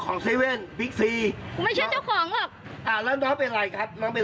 ตอนนี้คุณเสีย๕๐๐บาทคุณลงพักถึงไม่เสียได้เงิน